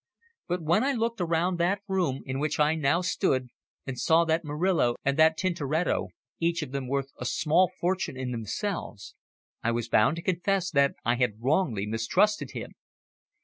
But when I looked around that room in which I now stood and saw that Murillo and that Tintoretto, each of them worth a small fortune in themselves, I was bound to confess that I had wrongly mistrusted him.